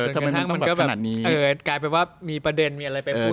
จนกระทั่งมันก็แบบกลายเป็นว่ามีประเด็นมีอะไรไปพูด